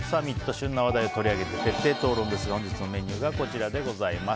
旬な話題を取り上げて徹底討論ですが本日のメニューがこちらです。